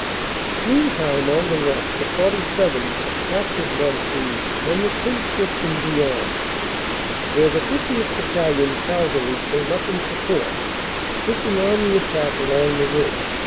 Meantime on the left the 47th. had captured Mont Houy and the trench system beyond, where the 50th. Battalion, Cal gary, came up in support, pushing on the attack along the ridge.